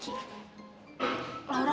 kita semua mau keluar